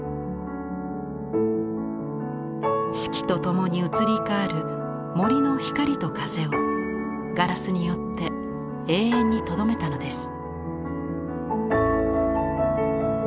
四季と共に移り変わる森の光と風をガラスによって永遠にとどめたのです。